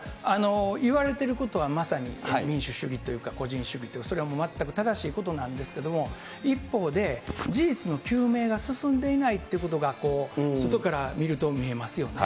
言われていることはまさに民主主義というか、個人主義というか、それは全く正しいことなんですけれども、一方で、事実の究明が進んでいないということが外から見ると見えますよね。